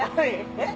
えっ？